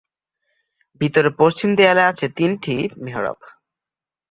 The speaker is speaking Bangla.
ভিতরে পশ্চিম দেয়ালে আছে তিনটি মেহরাব।